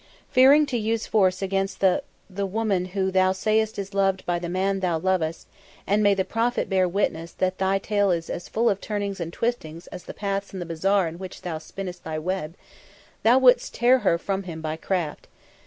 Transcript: "Fearing to use force against the the woman who thou sayest is loved by the man thou lovest and may the prophet bear witness that thy tale is as full of turnings and twistings as the paths in the bazaar in which thou spinn'st thy web thou would'st tear her from him by craft.